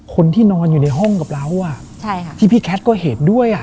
คนที่นอนอยู่ในห้องกับเราที่พี่แคทก็เห็นด้วย